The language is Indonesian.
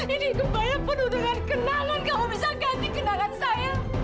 ini kebaya penuh dengan kenangan kamu bisa ganti kenangan saya